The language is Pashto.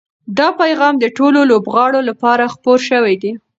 دا پیغام د ټولو لوبغاړو لپاره خپور شوی دی.